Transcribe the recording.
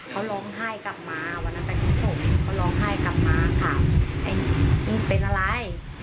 เค้าร้องไห้กลับมาวันนั้นเป็นทุกเค้าร้องไห้กลับมาถามเป็นอะไร